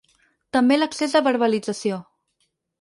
També l’excés de verbalització.